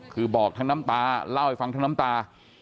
คือบอกทั้งน้ำตาเล่าให้ฟังทั้งน้ำตา